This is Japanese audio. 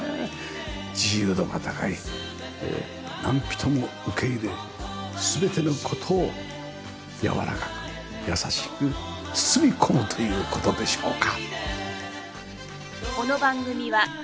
自由度が高い何人も受け入れ全ての事をやわらかく優しく包み込むという事でしょうか。